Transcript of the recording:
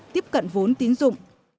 tiếp cận vốn tín dụng